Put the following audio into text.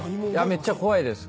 めっちゃ怖いです。